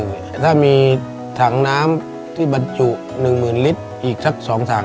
ในแคมเปญพิเศษเกมต่อชีวิตโรงเรียนของหนู